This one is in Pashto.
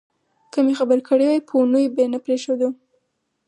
که مې خبر کړي وای په اوونیو به نه پرېښودو.